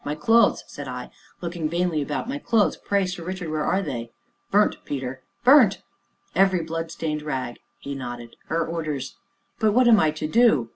"My clothes," said I, looking vainly about; "my clothes pray, Sir Richard, where are they?" "Burnt, Peter." "Burnt?" "Every blood stained rag!" he nodded; "her orders." "But what am I to do?"